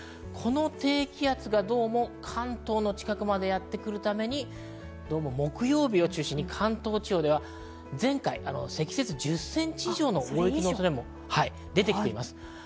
この低気圧がどうも関東の近くまでやってくるために木曜日を中心に関東地方では前回、積雪１０センチ以上の大雪の恐れも出てきています。